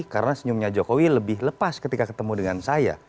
karena senyumnya jokowi lebih lepas ketika ketemu dengan saya